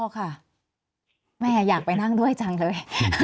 ค่ะแม่อยากไปนั่งด้วยจังเลย